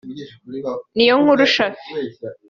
Niyonkuru Shafi